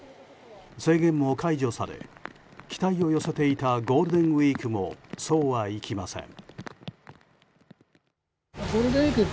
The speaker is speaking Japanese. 制限も解除され期待を寄せていたゴールデンウィークもそうはいきません。